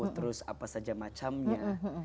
terus apa saja macamnya